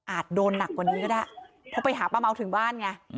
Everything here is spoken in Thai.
โดนหนักกว่านี้ก็ได้เพราะไปหาป้าเมาถึงบ้านไง